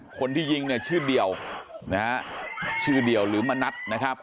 คนที่ยิงเนี่ยชื่อเดี่ยวนะฮะชื่อเดี่ยวหรือมณัฐนะครับ